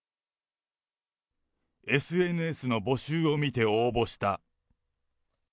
ＳＮＳの募集を見て応募した。